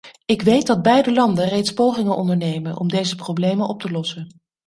Ik weet dat beide landen reeds pogingen ondernemen om deze problemen op te lossen.